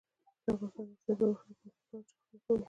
د افغانستان د اقتصادي پرمختګ لپاره پکار ده چې اخلاق ولرو.